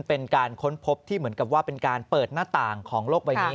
เป็นการค้นพบที่เหมือนกับว่าเป็นการเปิดหน้าต่างของโลกใบนี้